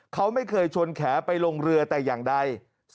เขาไม่เคยชนแขไปลงเรือแต่อย่างใด